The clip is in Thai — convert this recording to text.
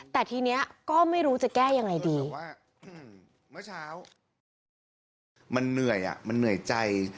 แต่ทีนี้ก็ไม่รู้จะแก้อย่างไรดี